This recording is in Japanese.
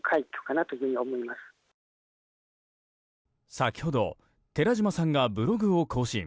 先ほど寺島さんがブログを更新。